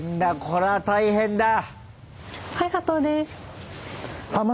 これは大変だ！